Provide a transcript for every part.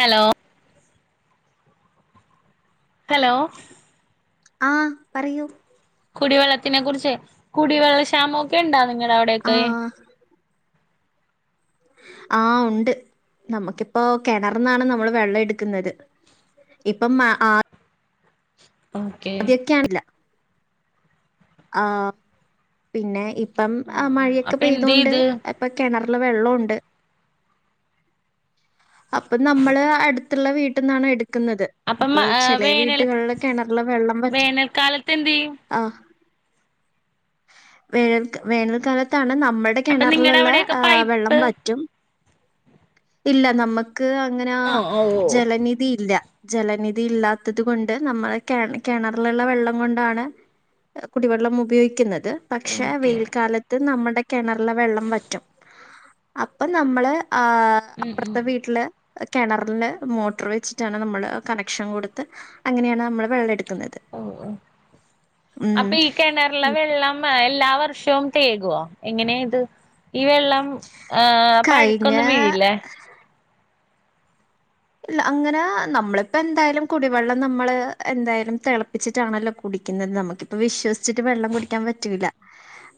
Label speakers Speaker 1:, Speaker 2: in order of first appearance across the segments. Speaker 1: Hello hello
Speaker 2: ആഹ് പറയൂ
Speaker 1: കുടിവെള്ളത്തിനെ കുറിച്ച് കുടിവെള്ള ക്ഷാമം ഒക്കെണ്ടാ നിങ്ങടെ
Speaker 2: ആ
Speaker 1: അവിടെയൊക്കെ
Speaker 2: ആ ഉണ്ട് നമുക്കിപ്പോ കെണർന്നാണ് നമ്മൾ വെള്ളം എട്ക്ക്ന്നത് ഇപ്പം അ ആ
Speaker 1: ഓക്കേ
Speaker 2: യ്ക്കാണില്ല ആ പിന്നെ ഇപ്പം അ
Speaker 1: ആഹ് ആഹ്
Speaker 2: മഴയൊക്കെ
Speaker 1: അപ്പൊ
Speaker 2: പെയ്തോണ്ട്
Speaker 1: എന്തെയ്ത്
Speaker 2: ഇപ്പൊ കിണറില് വെള്ളൊണ്ട് അപ്പൊ നമ്മള് അടുത്തുള്ള വീട്ടിന്നാണ് എടുക്കുന്നത്
Speaker 1: അപ്പം
Speaker 2: ഇപ്പ ചെല
Speaker 1: വേനൽ
Speaker 2: വീട്ടുകളില് കിണറിലെ വെള്ളം വറ്റും
Speaker 1: വേനൽക്കാലത്ത് എന്തെയ്യും
Speaker 2: ആ വേൽ വേനൽക്കാലത്താണ് നമ്മടെ
Speaker 1: അപ്പൊ നിങ്ങടെ
Speaker 2: കെണറിലുള്ള
Speaker 1: അവിടെയൊക്കെ
Speaker 2: വെള്ളം
Speaker 1: പൈപ്പ്
Speaker 2: വറ്റും ഇല്ല നമ്മക്ക് അങ്ങനെ
Speaker 1: ആഹ് ഓഹ് ഓഹ്
Speaker 2: ജലനിധി ഇല്ല ജലനിധി ഇല്ലാത്തത് കൊണ്ട് നമ്മെ കെ കെണറിലുള്ള വെള്ളം കൊണ്ടാണ് കുടിവെള്ളം ഉപയോഗിക്കുന്നത് പക്ഷെ
Speaker 1: ഓക്കെ
Speaker 2: വെയിൽക്കാലത് ത്ത് നമ്മുടെ കിണറിലെ വെള്ളം വറ്റും അപ്പൊ നമ്മള് ആ
Speaker 1: ഉം ഉം
Speaker 2: അട്ത്തെ വീട്ടില് കെണറില് മോട്ടർ വെച്ചിട്ടാണ് നമ്മള് കണക്ഷൻ കൊടുത്ത് അങ്ങനെയാണ് നമ്മള് വെള്ളം എട്ക്ക്ന്നത്
Speaker 1: ഓഹ് ഓഹ് അപ്പൊ ഈ കിണറിലെ വെള്ളം എല്ലാ വർഷവും തേകുവോ എങ്ങനെയ ഇത് ഈ വെള്ളം ആഹ് അപ്പ അഴുക്കൊന്നും
Speaker 2: ഇക്കഴിഞ്ഞ
Speaker 1: വീഴില്ലേ
Speaker 2: ഇല്ല അങ്ങനെ നമ്മളിപ്പ എന്തായാലും കുടിവെള്ളം നമ്മള് എന്തായാലും തെളപ്പിച്ചിട്ടാണല്ലോ കുടിക്കുന്നത് നമുക്കിപ്പ വിശ്വസിച്ചിട്ട് വെള്ളം കുടിക്കാൻ പറ്റൂല്ല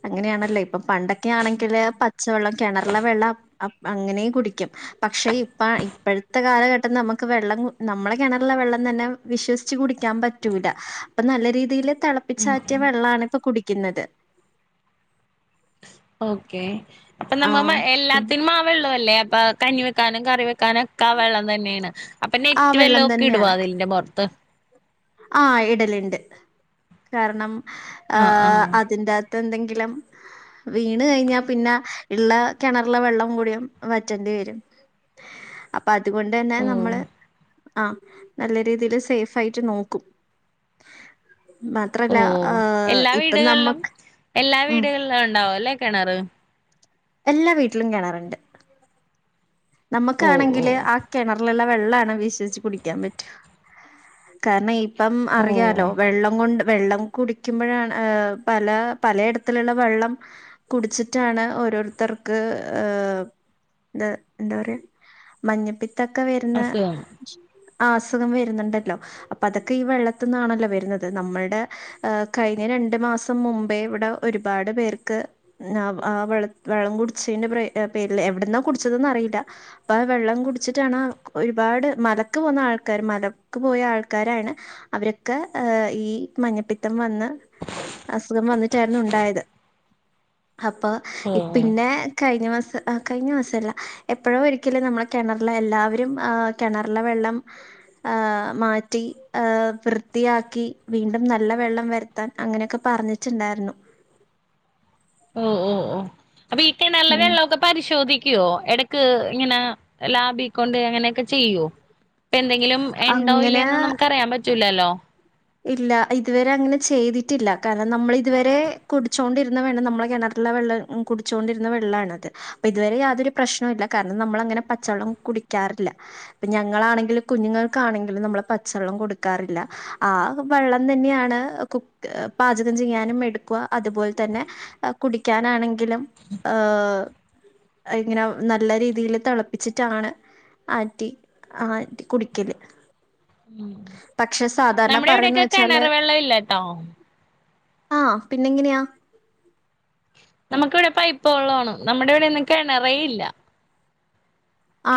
Speaker 2: അങ്ങനെയാണല്ലോ ഇപ്പൊ പണ്ടൊക് ക്കെ ആണെങ്കിൽ പച് പച്ചവെള്ളം കിണറിലെ വെള്ളം അപ് അപ് അങ്ങനെയും കുടിക്കും പക്ഷേ ഇപ്പ ഇപ്പഴ് ഇപ്പത്തെ കാലഘട്ടം നമുക്ക് വെള്ളം നമ്മളെ കെണറിലുള്ള വെള്ളം തന്നെ വിശ്വസിച്ച് കുടിക്കാൻ പറ്റൂല അപ്പൊ നല്ല രീതിയില്
Speaker 1: ഉം
Speaker 2: തിളപ്പിച്ചാറ്റിയ
Speaker 1: ഉം
Speaker 2: വെള്ളാണ് ഇപ്പൊ കുടിക്കുന്നത്
Speaker 1: ഓക്കെ അപ്പൊ
Speaker 2: ആ
Speaker 1: നമ്മ നമ്മ
Speaker 2: പിന്നെ
Speaker 1: എല്ലാത്തിനും മാ വെള്ളം അല്ലേ അപ്പൊ കഞ്ഞി വെക്കാനും കറി വെക്കാനും ഒക്കെ ആ വെള്ളം തന്നെയാണ് അപ്പൊ
Speaker 2: ആ
Speaker 1: നെറ്റ് വെല്ലോം
Speaker 2: വെള്ളം
Speaker 1: ഒക്കെ ഇടുവോ
Speaker 2: തന്നെയാണ്
Speaker 1: അയിൽന്റെ പൊറത്ത്
Speaker 2: ആഹ് ഇടല്ണ്ട് കാരണം ആ
Speaker 1: ആഹ് ആഹ്
Speaker 2: അതിന്റെ അക് ത്ത് എന്തെങ്കിലും വീണ് കെഴിഞ്ഞാ പിന്നെ ഇള്ള കെണറിലെ വെള്ളം കൂടി വറ്റേണ്ടി വരും
Speaker 1: [inaudible]
Speaker 2: അപ്പൊ അതുകൊണ്ട് തന്നെ
Speaker 1: ഓ
Speaker 2: നമ്മള് ആ നല്ല രീതിയില് സേഫ് ആയിട്ട് നോക് മാത്രല്ല
Speaker 1: ഓ ഓ
Speaker 2: ഏഹ്
Speaker 1: എല്ലാ
Speaker 2: ഇപ്പം
Speaker 1: വീടുകളിലും
Speaker 2: നമ്മക്ക്
Speaker 1: എല്ലാ
Speaker 2: ഉം
Speaker 1: വീടുകളിലും ഇണ്ടാവും അല്ലേ കെണറ്
Speaker 2: എല്ലാ വീട്ടിലും കിണറുണ്ട്
Speaker 1: ഓ ഓ
Speaker 2: നമുക്കാണെങ്കില് ആ കെണറിലുള്ള വെള്ളാണ് വിശ്വസിച്ച് കുടിക്കാൻ പറ്റ കാരണം ഈ ഇപ്പം
Speaker 1: ഓ
Speaker 2: അറിയാലോ വെള്ളം കൊണ്ട് വെള്ളം കുടിക്കുമ്പോഴാണ് ഏഹ് പല പലയിടത്തിലുള്ള വെള്ളം കുടിച്ചിട്ടാണ് ഓരോരുത്തർക്ക് ഏഹ് എ എന്താ പറയാ മഞ്ഞപ്പിത്തൊക്കെ വരുന്നെ
Speaker 1: അസുഖം
Speaker 2: അസുഖം വരുന്നുണ്ടല്ലോ അപ്പൊ അതൊക്കെ ഈ വെള്ളത്തി നിന്നാണല്ലോ വരുന്നത് നമ്മളുടെ ഏഹ് കഴിഞ്ഞ രണ്ടു മാസം മുമ്പേ ഇവിടെ ഒരുപാട് പേർക്ക് ആഹ് ആഹ് വെളം വെളളം കുടിച്ചതിന്റെ പ്രെ പേരില്എവിടുന്നാ കുടിച്ചതെന്നറിയില്ല. ആ വെള്ളം കുടിച്ചിട്ടാണ്, ഒരുപാട് മലക്കുപോന്ന ആൾക്കാര് മലക്കുപോയ ആൾക്കാരാണ് അവരൊക്കെ ഈ മഞ്ഞപ്പിത്തം വന്ന് അസുഖം വന്നിട്ടായിരുന്നുണ്ടായത്, അപ്പൊ
Speaker 1: ഓ
Speaker 2: പിന്നെക്കഴിഞ്ഞ മാസം, ആഹ് കഴിഞ്ഞ മാസമല്ല എപ്പളോയൊരിക്കല് നമ്മളുകിണറിലെ, എല്ലാവരും ആഹ് കിണറിലെ വെള്ളം ആഹ് മാറ്റി, ആഹ് വൃത്തിയാക്കി വീണ്ടുംനല്ലവെള്ളം വര ത്താൻ അങ്ങനെയൊക്കെ പറഞ്ഞിട്ടുണ്ടായിരുന്നു.
Speaker 1: മഹ് മഹ് മഹ് വീട്ടിൽ നല്ല
Speaker 2: ഉം
Speaker 1: വെള്ളമൊക്കെ പരിശോധിക്കുവോ ഇടക്ക് ക്ക്, ഇങ്ങനെ ലാബിക്കൊണ്ടോയിങ്ങനെയൊക്കെ ചെയ്യോ? ഇപ്പെന്തെങ്കിലും ഇണ്ടോ
Speaker 2: അങ്ങനെ
Speaker 1: ഇല്ലേയെന്നൊന്നും നമുക്കറിയാൻ പറ്റൂലല്ലോ?
Speaker 2: ഇല്ല, ഇതുവരെയങ്ങനെ ചെയ്തിട്ടില്ല. കാരണം നമ്മളിതുവരെ കുടിച്ചോണ്ടിരുന്ന വെള്ളം നമ്മടെ കിണറിലവെള്ളമായിരുന്നു. കുടിച്ചോണ്ടിരുന്ന വെള്ളാണത്, ഇതുവരെ യാതൊരു പ്രശ്നവുമില്ല കാരണം നമ്മളങ്ങനെ പച്ചവെള്ളം കുടിക്കാറില്ല. ഞങ്ങളാണെങ്കിലും കുഞ്ഞുങ്ങൾക്കാണെങ്കിലും, നമ്മള് പച്ചവെള്ളം കൊടുക്കാറില്ല. ആ.. വെള്ളം തന്നെയാണ് കുക്ക്, പാചകം ചെയ്യാനുമെടുക്കുകാ അതുപോലെ തന്നെ അ.. കുടിക്കാനാണെങ്കിലും, ഏ.. ഇങ്ങനെ നല്ല രീതിയിൽ തിളപ്പിച്ചിട്ടാണ് ആറ്റി യാറ്റി കുടിക്കല്.
Speaker 1: ഉ..
Speaker 2: പക്ഷെ സാധാരണ പറയുന്ന
Speaker 1: നമ്മുടെയിവിടെയൊക്കെ
Speaker 2: വെച്ചാല്
Speaker 1: കിണർ വെള്ളമില്ലേട്ടോ.
Speaker 2: ആഹ്.. പിന്നെയെങ്ങനയാ?
Speaker 1: നമുക്കിവിടെ പൈപ്പുവെള്ളമാണ്. നമ്മുടെയിവിടെയൊന്നും കിണറേയില്ല.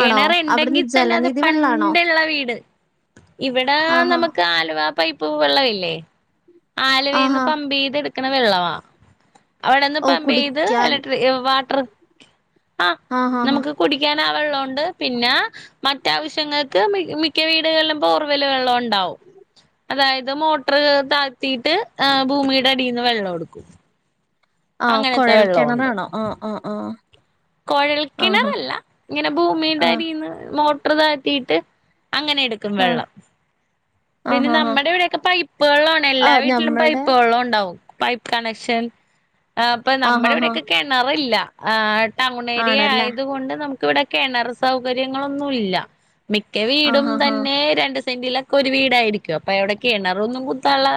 Speaker 2: ആണോ? അവിടുന്ന്
Speaker 1: തന്നെയതു
Speaker 2: ജലനിധി വെള്ളാണോ?
Speaker 1: പണ്ടുള്ള വീട്. ഇവിടെ
Speaker 2: ആഹാ.
Speaker 1: നമുക്ക് ആലുവാ. പൈപ്പുവെള്ളമില്ലേ, ആലുവേന്ന്
Speaker 2: ആഹാ.
Speaker 1: പമ്പുചെയ്തെടുക്കണ വെള്ളവാ. അവിടുന്ന്
Speaker 2: ഓ
Speaker 1: പമ്പ് ചെയ്ത്.
Speaker 2: കുടിക്കാൻ
Speaker 1: ഇലക്ട്രിക്ക്‌.. വാട്ടർ ആഹ്..
Speaker 2: ആഹാഹാ.
Speaker 1: നമുക്കുകുടിക്കാനാ വെള്ളമുണ്ട്. പിന്നെ.. മറ്റാവശ്യങ്ങൾക്കു മിക്ക വീടുകളിലും ഫോർവിലുവെള്ളമുണ്ടാവും. അതായത് മോട്ടർ താഴ്ത്തിയിട്ട് അഹ്.. ഭൂമിയുടെ അടിയിൽ നിന്നുവെള്ളവെടുക്കും.
Speaker 2: ആഹ്.. കുഴൽക്കിണറാണോ ആ.. അ.. ആഹ്
Speaker 1: കുഴൽക്കിണറല്ല,
Speaker 2: ആ
Speaker 1: ഇങ്ങനെഭൂമിടെയടീന്നു മോ മോട്ടർ താഴ്ത്തീട്ട്, അങ്ങനെയെടുക്കും
Speaker 2: ആ.
Speaker 1: വെള്ളം. പിന്നെ,
Speaker 2: ആഹാഹാ.
Speaker 1: നമ്മുടെ യിവിടെയൊക്കെ പൈപ്പുവെള്ളമാണ്.
Speaker 2: ആ
Speaker 1: എല്ലാ വീട്ടിലും
Speaker 2: ഞമ്മടെ
Speaker 1: പൈപ്പുവെള്ളമുണ്ടാവും, പൈ കണക്ഷൻ, അപ്പൊ
Speaker 2: ആഹാഹാ.
Speaker 1: നമ്മുടെയിവിടെയൊക്കെ കിണറില്ല. ആ.. ടൗണേരിയ
Speaker 2: ആണല്ലേ?
Speaker 1: അയായതു കൊണ്ട് നമുക്കിവിടെ കിണർ സൗകര്യങ്ങളൊന്നുമില്ല. മിക്ക
Speaker 2: ആഹാഹാ.
Speaker 1: വീടുംതന്നെ രണ്ടുസെന്റിലാക്കൊരു വീടും.. ലായിരിക്കുമപ്പൊ യിവിടെ കിണറൊന്നും കുത്താനുള്ള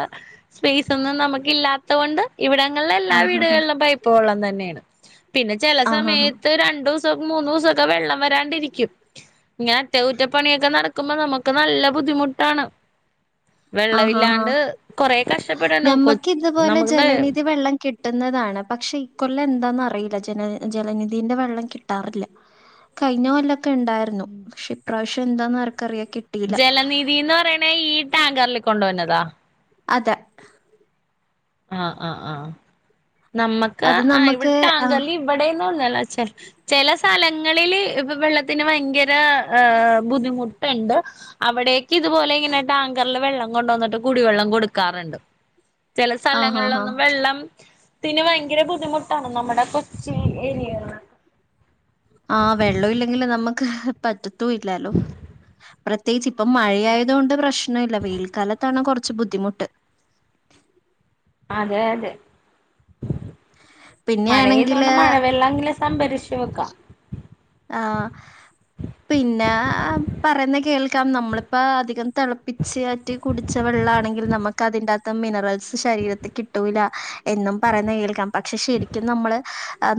Speaker 1: സ്പേസൊന്നും നമുക്കില്ലാത്തതുകൊണ്ട് ഇവിടങ്ങളിലെല്ലാ
Speaker 2: ആഹാഹാ.
Speaker 1: വീടുകളിലും പൈപ്പുവെള്ളം തന്നെയാ, പിന്നെ ചില
Speaker 2: ആഹാഹാ.
Speaker 1: സമയത്തുരണ്ടു.. മൂന്നുദിവസമൊക്കെ വെള്ളംവരാണ്ടിരിക്കും. ഇങ്ങനെ, അറ്റകുറ്റപ്പണിയൊക്കെ നടക്കുമ്പോ നമുക്കു നല്ല ബുദ്ധിമുട്ടാണ്.
Speaker 2: ആ.. ഹാ.. ഹാ..
Speaker 1: വെള്ളമില്ലാണ്ട് കൊറെ കഷ്ടപ്പെടണം കൊ
Speaker 2: ഞമ്മക്കിതുപോലെ
Speaker 1: നമുക്ക്ണ്ട്
Speaker 2: ജലനിധി വെള്ളം കിട്ടുന്നതാണ്. പക്ഷേയീക്കൊല്ലം എന്താന്നറിയില്ല, ജല.. ജലനിധിയുടെ വെള്ളം കിട്ടാറില്ല. കഴിഞ്ഞകൊല്ലമൊക്കെണ്ടായിരുന്നു. പക്ഷേ ഇപ്രാവശ്യം എന്താന്ന് ആർക്കറിയാം കി
Speaker 1: ജലനീധിന്നുപറയണയീ ടാങ്കറിൽ കൊണ്ടുവരുന്നതാ..
Speaker 2: അതെ.
Speaker 1: അഹ്.. ആ.. ആഹ്.. നമ്മുക്ക്
Speaker 2: അത്
Speaker 1: അഹ്.. ഇവിടെ
Speaker 2: നമ്മക്ക് ആഹ്
Speaker 1: ടാങ്കറിൽ ഇവിടേന്നുമല്ലവെച്ചാ- ചില സ്ഥലങ്ങളില് ഇപ്പൊ വെള്ളത്തിനുഭയങ്കര അ.. അ.. ബുദ്ധിമുട്ടുണ്ട്. അവിടേക്കിതുപോലെയിങ്ങനെ ടാങ്കറിലുവെള്ളം കൊണ്ടുവന്നിട്ടു കുടിവെള്ളം കൊടുക്കാറുണ്ട്. ചെല
Speaker 2: ആഹ് ആഹ് ആഹ്
Speaker 1: സ്ഥലങ്ങളിലൊന്നും വെള്ളം ത്തിനുഭയങ്കര ബുദ്ധിമുട്ടാണ് നമ്മുടെ കൊച്ചു ഏരിയായിലേയുള്ളൂ
Speaker 2: ആ.. വെള്ളമില്ലെങ്കിലു നമ്മുക്കുപറ്റത്തുവില്ലാലോ പ്രത്യേകിച്ചിപ്പം മഴയായതുകൊണ്ട് പ്രശ്നമില്ല. വേനൽക്കാലത്താണ് കുറച്ച് ബുദ്ധിമുട്ട്.
Speaker 1: അതെ അതെ. മഴെയായത് കൊണ്ട്
Speaker 2: പിന്നെയാണെങ്കില്
Speaker 1: മഴ വെള്ളമെങ്കിലും സംഭരിച്ചുവെക്കാം.
Speaker 2: ആഹ്.. പിന്നെ പറയുന്ന കേൾക്കാം. നമ്മളിപ്പ അധികം തിളപ്പി തിളപ്പിച്ചാറ്റി കുടിച്ച വെള്ളാണെങ്കിൽ, നമക്ക് അതിനാ കത്ത് മിനറൽസ് ശരീരത്തിൽ കിട്ടൂല എന്നും പറയുന്ന കേൾക്കാം, പക്ഷെ ശരിക്കും നമ്മള്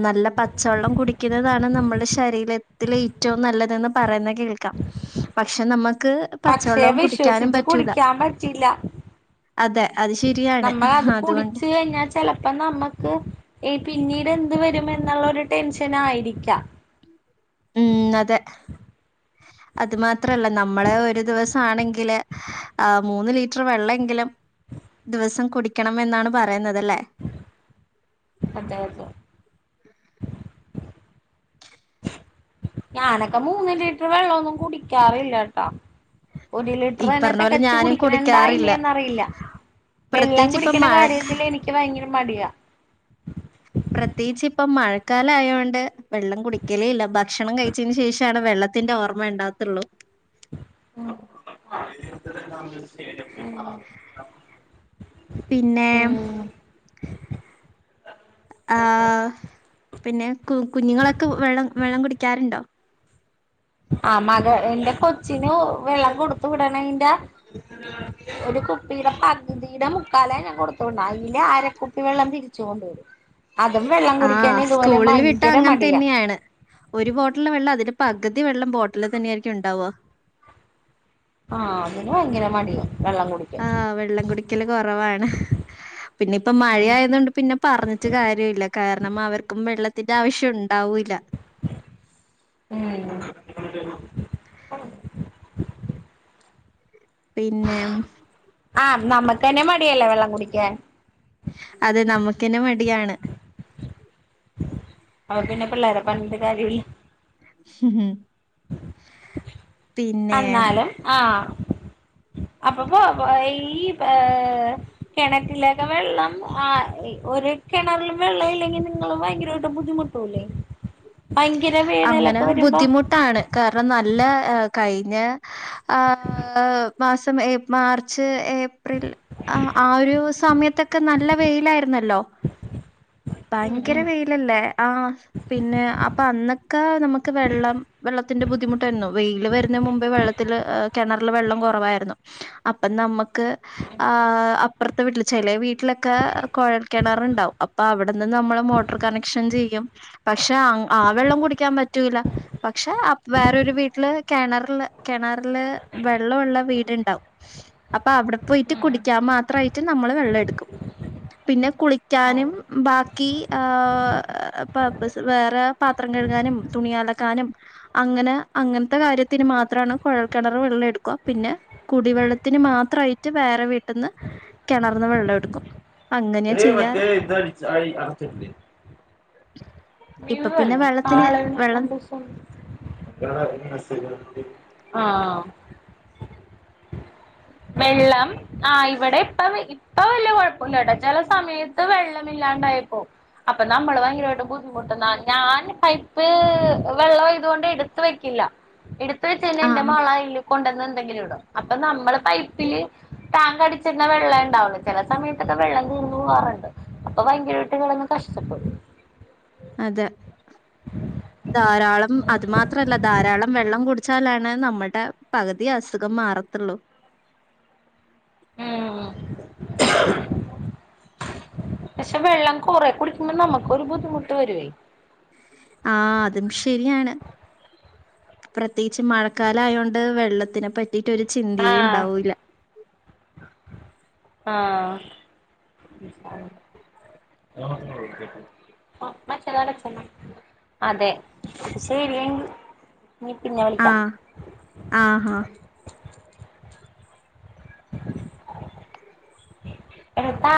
Speaker 2: നല്ല പച്ചവെള്ളം കുടി കുടിക്കുന്നതാണ് നമ്മള്ടെ ശരീര ഏറ്റവും നല്ലതെന്ന് പറയുന്ന കേൾ ക്കം. പക്ഷെ നമ്മക്ക്
Speaker 1: പക്ഷെ
Speaker 2: പച്ചവെള്ളവും കുടിക്കാനും
Speaker 1: വിശ്വസിച്ച്
Speaker 2: പറ്റൂല.
Speaker 1: കുടിക്കാൻ പറ്റില്ല
Speaker 2: അതെ അത് ശരിയാണ്.
Speaker 1: നമ്മളത്
Speaker 2: അതുകൊണ്ട്.
Speaker 1: കുടിച്ച് കഴിഞ്ഞാ ചെലപ്പോ നമ്മുക്ക് ഈ പിന്നീട് എന്ത് വരുമെന്നുള്ള ഒരു ടെൻഷൻ ആയിരിക്കാം.
Speaker 2: ഉം അതെ അത് മാത്രല്ല നമ്മള് ഒരു ദിവസം ആണെങ്കില്. ആഹ് മൂന്ന് ലിറ്റർ വെള്ള എങ്കിലും ദിവസം കുടിക്കണം എന്നാണ് പറയുന്നത് ലെ
Speaker 1: അതെ അതെ. ഞാനൊക്കെ മൂന്ന് ലിറ്റർ വെള്ളമൊന്നും കുടിക്കാറില്ല ട്ടോ. ഒരു
Speaker 2: ഈ
Speaker 1: ലിറ്റർതന്നെ
Speaker 2: പറഞ്ഞ പോലെ
Speaker 1: തികച്ചു
Speaker 2: ഞാനും കുടിക്കാറില്ല.
Speaker 1: കുടിക്കണണ്ടായില്ലേന്ന്റിയില്ല വെള്ളം
Speaker 2: പ്രത്യേകിച്ച് ഇപ്പം
Speaker 1: കുടിക്കണ
Speaker 2: മഴ
Speaker 1: കാര്യത്തില് എനിക്ക് ഭയങ്കര മടിയ..
Speaker 2: പ്രത്യേകിച് ഇപ്പ മഴക്കാല ആയോണ്ട്. വെള്ളം കുടിക്കലേ ഇല്ല ഭക്ഷണം കഴിച്ചന് ശേഷംണ് വെള്ളത്തിന്റെ ഓർമ്മ ഉണ്ടാകത്തുള്ളൂ
Speaker 1: ഉം ഉം
Speaker 2: പിന്നെ...
Speaker 1: ഉം
Speaker 2: ആഹ് പിന്നെ കു കുഞ്ഞുങ്ങളൊക്കെ വെള്ളം വെള്ളം കുടിക്കാറുണ്ടോ??
Speaker 1: ആ മക എന്റെ കൊച്ചിന് വെള്ളം കൊടുത്തു വിടണ എന്റെ. ഒരു കുപ്പിയുടെ പകുതിയുടെ മുക്കാല ഞാൻ കൊടുത്തണ്ട അതില് അരക്കുപ്പി വെള്ളം തിരിച്ചു കൊണ്ട് വരും അതും വെള്ളം കുടിക്കൻ
Speaker 2: ആഹ്
Speaker 1: ഇതുപോലെ
Speaker 2: സ്കൂളിൽ വിട്ടാ
Speaker 1: ഭയങ്കര
Speaker 2: അങ്ങനെ
Speaker 1: മടിയാ..
Speaker 2: തന്നെയാണ്. ഒരു ബോട്ടിലെ വെള്ളം അതിന്റെ പകുതി വെള്ളം ബോട്ടിൽ തന്നൊയിയിരിക്കും ഉണ്ടാവുക.
Speaker 1: ആഹ് അതിൻ ഭയങ്കര മടിയവെള്ളം കുടിക്ക
Speaker 2: ആഹ് വെള്ളം കുടിക്കല് കുറവാണ് പിന്നെ ഇപ്പ മഴ ആയത കൊണ്ട് പിന്നെ പറഞ്ഞിട്ട് കാര്യ ല്ല കാരണം അവർക്കും വെള്ള വെള്ളത്തിന്റെ ആവശ്യം ഉണ്ടാവൂല്ല
Speaker 1: ഉം..
Speaker 2: പിന്നെ...
Speaker 1: ആഹ് നമ്മുക്ക് തന്നെ മടിയല്ലേ വെള്ളം കുടിക്കാൻ..
Speaker 2: അതെ നമ്മുക്കിനെ മടിയാണ്..
Speaker 1: അപ്പ പിന്നെ പിള്ളേരെ പറഞ്ഞിട്ട് കാര്യമില്ല.
Speaker 2: ഹംഹു
Speaker 1: എന്നാലും ആഹ് അപ്പപ്പ ഈ പ.. കിണറ്റിലൊക്കെ വെള്ളം ആഹ് ഒരു കിണറിലും വെള്ളം ഇല്ലെങ്കിൽ നിങ്ങളും ഭയങ്കരമായിട്ട് ബുദ്ധിമുട്ട് ഭയങ്കര വേനലൊക്കെ വരുമ്പോ
Speaker 2: ആണ് കാരണം നല്ല കഴിഞ്ഞ ആഹ് ആ.... മാസം മാർച്ച് ഏപ്രിൽ ഏപ്രിൽ ആ ഒരു സമയത്തൊക്കെ നല്ല വെയിലായിരുന്നല്ലോ ഭയങ്കര വെയിലല്ലേ ആഹ് പിന്നെ അപ്പഅന്നൊക്കെ നമ്മുക്ക് വെള്ളം വെള്ളത്തിൻ്റെ ബുദ്ധിമുട്ട് ആരുന്നു വെയിലു വരുന്ന മുമ്പേ വെള്ളത്തില് ആ കിണറില് വെള്ളം കുറവായിരുന്നു അപ്പം നമ്മുക്ക് ആ... അപ്പുറത്തെ വീട്ടില് ചെല വീട്ടിലൊക്കെ കുഴൽ കിണർണ്ടാവും അപ്പൊ അവിടെന്ന് നമ്മള് മോട്ടർ കണക്ഷൻ ചെയ്യും പക്ഷെ ആഹ് വെള്ളം കുടിക്കാൻ പറ്റൂല പക്ഷെ വേറൊരു വീട്ടില് കിണറില് കിണറിൽ വെള്ളമുള്ള വീടുണ്ടാവും അപ്പൊ അവിടെ പോയിട്ട് കുടിക്കാൻ മാത്രമായി നമ്മൾ വെള്ളം എടുക്കും പിന്നെ കുളിക്കാനും ബാത്‌റൂമിൽ കി ആഹ് പർപ്പസ് വേറെ പാത്രം കഴുകാനും തുണി അലക്കാനും അങ്ങനെ അങ്ങനത്തെ കാര്യത്തിന് മാത്രാണ് കുഴൽ കിണർ വെള്ളം എടുക്കുവ പിന്നെ കുടിവെള്ളത്തിന് മാത്രയിട്ട് വേറെ വീട്ട്ന്ന് കിണർന്ന് വെള്ളം എടുക്കും അങ്ങനെയാ
Speaker 1: എടീ ഇ മറ്റേ
Speaker 2: ചെയ്യാറ്
Speaker 1: ഇത് അടച്ചാടി [unintelligible]
Speaker 2: ഇപ്പൊ പിന്നെ വെള്ളത്തിന്
Speaker 1: ആള്
Speaker 2: വെള്ളം
Speaker 1: [unintelligible] ആഹ് [unintelligible] വെള്ളം ആഹ് ഇവിടെ ഇപ്പ ഇപ്പ വല്യ കുഴപ്പില്ലട ചില സമയത്ത് വെള്ളമില്ലാണ്ടായപ്പോ അപ്പൊ നമ്മള് ഭയങ്കരമായിട്ട് ബുദ്ധിമുട്ടുന്നാ ഞാൻ പൈപ്പ് വെള്ളം ആയതോണ്ട് എടുത്ത് വെക്കില്ല എടുത്ത് വെചെയിഞ്ഞ
Speaker 2: ആഹ്
Speaker 1: എന്റെ
Speaker 2: ആഹ്
Speaker 1: മോളയില് കൊണ്ടുവന്ന് എന്തെങ്കിലും ഇടും. അപ്പൊ നമ്മള് പൈപ്പില് ടാങ്ക് അടിച്ചിട്ന്ന വെള്ളേ ണ്ടാവുള്ളു. ചില സമയത്തൊക്കെ വെള്ളം നിന്നോവാറുണ്ട് അപ്പൊ ഭയങ്കരായിട്ട് കിടന്ന് കഷ്ടപ്പെടും.
Speaker 2: അതെ
Speaker 1: ഉം
Speaker 2: ധാരാളം അത് മാത്രല്ല ധാരാളം വെള്ളം കുടിച്ചാലാണ് നമ്മടെ പകുതി അസുഖം മാറത്തുള്ളൂ.
Speaker 1: ഏ പക്ഷെ വെള്ളം കൊറെ കുടിക്കുമ്പോ നമ്മക്കൊരു ബുദ്ധിമുട്ട് വരുയ്
Speaker 2: ആ അതും ശരിയാണ്. പ്രത്യേകിച്ച് മഴക്കാലായോണ്ട് വെള്ളത്തിനെ പറ്റിയിട്ട് ഒരു ചിന്തേയേ ണ്ടാവൂല്ല.
Speaker 1: ആഹ [unintelligible] അതെ ശെരിയെങ്കി നി പിന്നെ വിളിക്കാ
Speaker 2: ആഹ് ആഹാ
Speaker 1: എട്ടാ